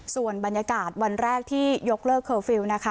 ส่วนบรรยากาศวันแรกที่ยกเลิกเคอร์ฟิลล์นะคะ